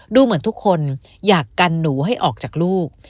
ดูเหมือนทุกคนอยากกันหนูให้ออกจากลูก